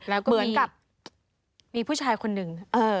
แล้วก็มีผู้ชายคนหนึ่ง